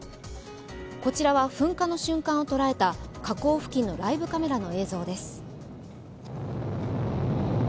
こちらは噴火の瞬間を捉えた河口付近のライブカメラの映像です。